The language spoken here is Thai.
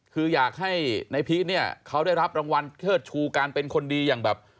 คืออยากให้ในพีชเนี่ยเขาได้รับรางวัลเทิดชูการเป็นคนดีอย่างแบบ